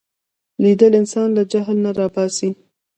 لیدل انسان له جهل نه را باسي